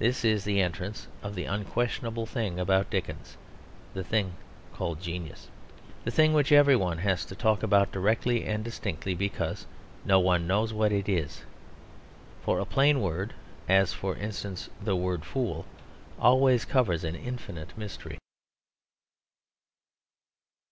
This is the entrance of the unquestionable thing about Dickens; the thing called genius; the thing which every one has to talk about directly and distinctly because no one knows what it is. For a plain word (as for instance the word fool) always covers an infinite mystery.